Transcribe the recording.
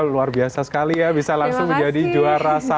luar biasa sekali ya bisa langsung menjadi juara satu